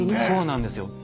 そうなんですよ。